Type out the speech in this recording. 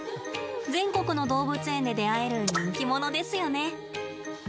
全国の動物園で出会える人気者ですよね。